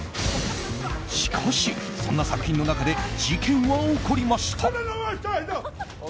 しかし、そんな作品の中で事件は起こりました。